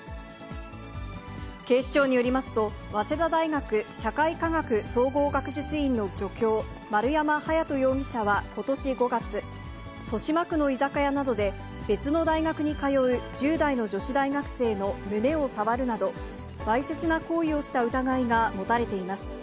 警視庁によりますと、早稲田大学社会科学総合学術院の助教、丸山隼人容疑者はことし５月、豊島区の居酒屋などで、別の大学に通う１０代の女子大学生の胸を触るなど、わいせつな行為をした疑いが持たれています。